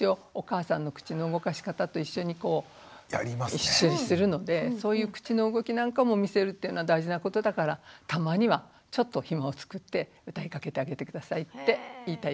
一緒にするのでそういう口の動きなんかも見せるっていうのは大事なことだからたまにはちょっと暇をつくって歌いかけてあげて下さいって言いたいです。